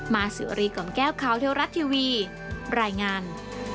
มาสุรีของแก้วขาวเที่ยวรัฐทีวีรายงาน